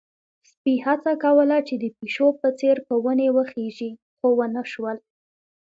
سپی هڅه کوله چې د پيشو په څېر په ونې وخيژي، خو ونه شول.